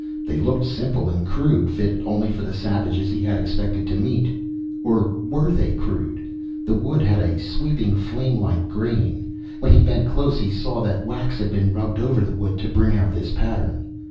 They looked simple and crude, fit only for the savages he had expected to meet. Or were they crude? The wood had a sweeping, flamelike grain. When he bent close he saw that wax had been rubbed over the wood to bring out this pattern.